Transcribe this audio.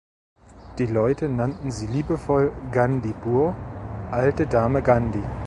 Die Leute nannten sie liebevoll "Gandhi Bur" (alte Dame Gandhi).